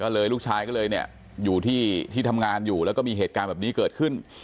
ก็เลยลูกชายก็เลยเนี่ยอยู่ที่ทำงานอยู่แล้วก็มีเหตุการณ์แบบนี้เกิดขึ้น